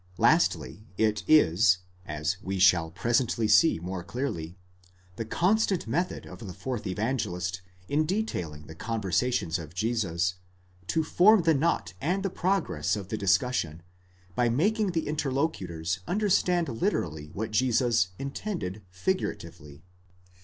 Lastly, it is, as we shall presently see more clearly, the constant method of the fourth Evangelist in detailing the conversations of Jesus, to form the knot and the progress of the discussion, by making the interlocutors understand literally what Jesus intended figura tively.